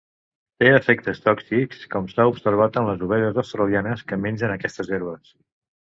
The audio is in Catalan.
Té efectes tòxics com s'ha observat en les ovelles australianes que mengen aquestes herbes.